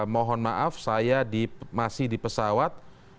mohon maaf saya masih di pesawat